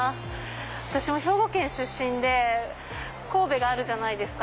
私兵庫県出身で神戸があるじゃないですか。